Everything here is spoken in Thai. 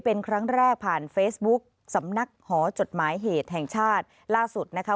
เป็นครั้งแรกผ่านเฟซบุ๊กสำนักหอจดหมายเหตุแห่งชาติล่าสุดนะคะ